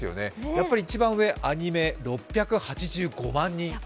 やっぱり一番上、アニメ、６８５万人。